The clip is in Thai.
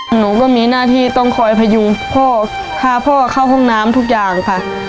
หนูก็มีหน้าที่ต้องคอยพยุงพ่อพาพ่อเข้าห้องน้ำทุกอย่างค่ะ